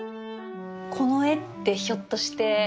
この絵ってひょっとして。